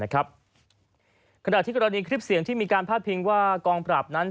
ขณะที่กรณีคลิปเสียงที่มีการพาดพิงว่ากองปราบนั้น